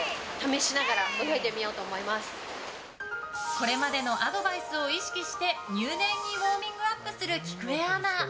これまでのアドバイスを意識して入念にウォーミングアップするきくえアナ。